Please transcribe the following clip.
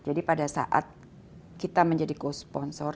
jadi pada saat kita menjadi co sponsor